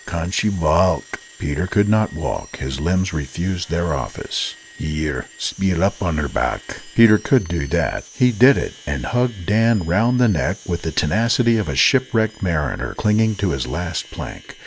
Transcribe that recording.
"Can she waalk?" Peter couldn't walk his limbs refused their office. "Here, speel up on her back." Peter could do that. He did it, and hugged Dan round the neck with the tenacity of a shipwrecked mariner clinging to his last plank.